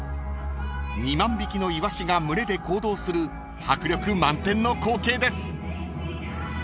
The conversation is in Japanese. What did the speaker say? ［２万匹のイワシが群れで行動する迫力満点の光景です］